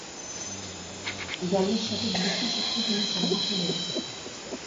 জ্ঞানের সাথে দৃষ্টিশক্তির কোনো সম্পর্ক নেই।